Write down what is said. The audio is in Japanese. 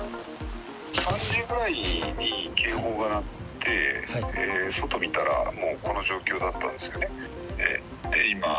３時くらいに警報が鳴って、外見たら、もうこの状況だったんですね。